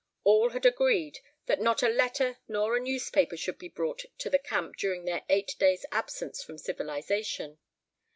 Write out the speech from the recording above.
All had agreed that not a letter nor a newspaper should be brought to the camp during their eight days' absence from civilization.